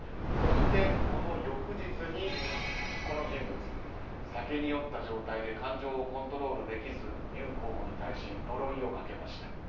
そして、この翌日にこの人物酒に酔った状態で感情をコントロールできずユン候補に対し呪いをかけました。